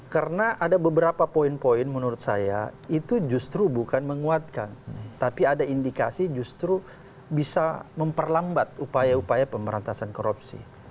karena ada beberapa poin poin menurut saya itu justru bukan menguatkan tapi ada indikasi justru bisa memperlambat upaya upaya pemberantasan korupsi